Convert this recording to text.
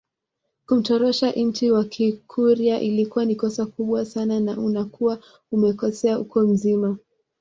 Kumtorosha inti wa kikurya ilikuwa ni kosa kubwa sana na unakuwa umekosea ukoo mzima